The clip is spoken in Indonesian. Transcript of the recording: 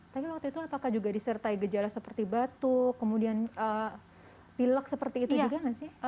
tapi waktu itu apakah juga disertai gejala seperti batuk kemudian pilek seperti itu juga nggak sih